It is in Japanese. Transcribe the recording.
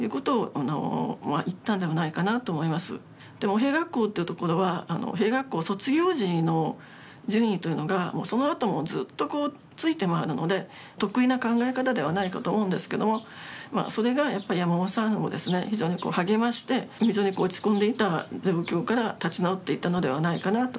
兵学校というところは、兵学校卒業時の順位というのがそのあともずっとついて回るので特異な考え方ではないかと思うんですが、それが山本さんを非常に励まして、非常に落ち込んでいた状況から立ち直っていったのではないかなと。